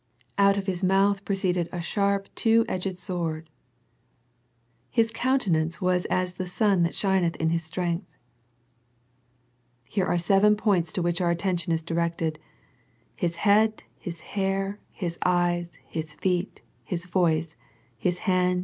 " Out of His mouth proceeded a sharp two edged sword." " His countenance was as the sun shineth in his strength." Here are seven points to which our attention is directed. His head. His hair. His eyes. His feet, His voice. His hand.